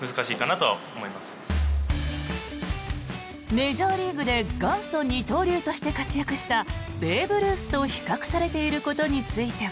メジャーリーグで元祖二刀流として活躍したベーブ・ルースと比較されていることについては。